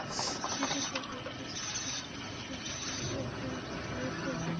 এতটুকুই বলব, চলচ্চিত্রের প্রতি ভালো লাগা, ভালোবাসা থেকেই প্রযোজনার কাজটিও করতে যাচ্ছি।